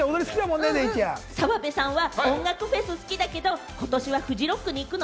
澤部さんは音楽フェス好きだけれども、ことしはフジロックに行くの？